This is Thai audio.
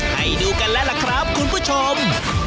ให้ดูกันแล้วล่ะครับคุณผู้ชม